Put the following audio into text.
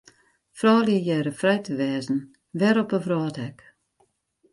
Froulju hearre frij te wêze, wêr op 'e wrâld ek.